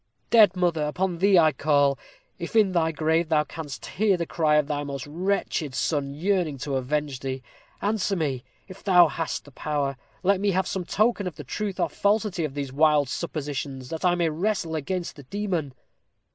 Dead mother! upon thee I call. If in thy grave thou canst hear the cry of thy most wretched son, yearning to avenge thee answer me, if thou hast the power. Let me have some token of the truth or falsity of these wild suppositions, that I may wrestle against this demon.